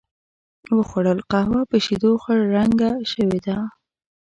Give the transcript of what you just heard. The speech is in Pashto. و خوړل، قهوه په شیدو خړ رنګه شوې وه.